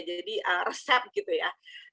jadi resep gitu ya